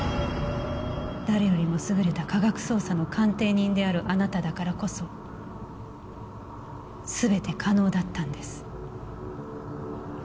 誰よりも優れた科学捜査の鑑定人であるあなただからこそ全て可能だったんです。